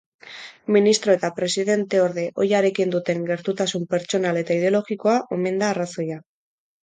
Ministro eta presidenteorde ohiarekin duten gertutasun pertsonal eta ideologikoa omen da arrazoia.